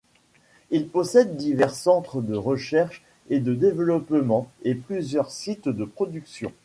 Elle possède divers centres de recherche et de développement et plusieurs sites de production.